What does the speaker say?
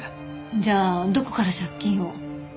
じゃあどこから借金を？